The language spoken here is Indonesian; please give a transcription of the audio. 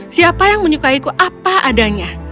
siapa yang menyukai ku apa adanya